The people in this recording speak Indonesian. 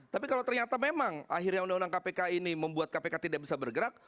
tapi kalau ternyata memang akhirnya undang undang kpk ini membuat kpk tidak bisa bergerak